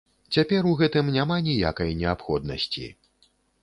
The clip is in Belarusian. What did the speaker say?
Цяпер у гэтым няма ніякай неабходнасці.